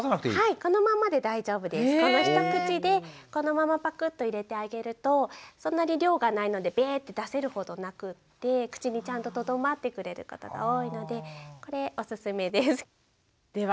この一口でこのままパクッと入れてあげるとそんなに量がないのでベーッて出せるほどなくって口にちゃんととどまってくれることが多いのでこれおすすめです。